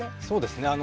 そうですね。